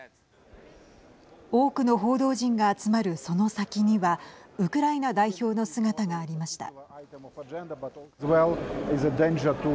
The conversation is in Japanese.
多くの報道陣が集まるその先にはウクライナ代表の姿がありました。